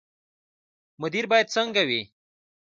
مدیر باید څنګه وي؟